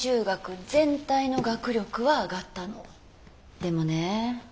でもね